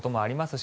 し